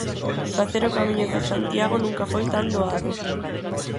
Facer o Camiño de Santiago nunca foi tan doado.